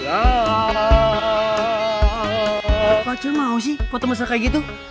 apa aja mau sih foto masa kayak gitu